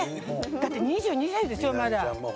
だって２２歳でしょ、まだ。